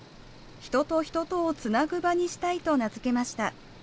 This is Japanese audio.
人と人とをつなぐ場にしたいと名付けました。